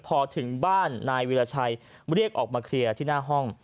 พอถึงบ้านนายวิราชัยเรียกออกมาเคลียร์ที่หน้าห้อง